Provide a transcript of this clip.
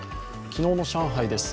昨日の上海です。